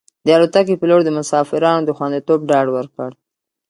د الوتکې پېلوټ د مسافرانو د خوندیتوب ډاډ ورکړ.